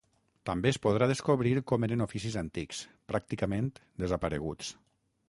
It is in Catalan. També es podrà descobrir com eren oficis antics, pràcticament desapareguts.